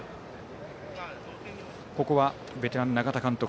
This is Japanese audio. ここはベテラン、永田監督